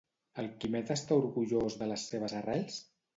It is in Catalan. El Quimet està orgullós de les seves arrels?